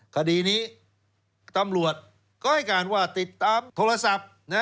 คดีนี้ตำรวจก็ให้การว่าติดตามโทรศัพท์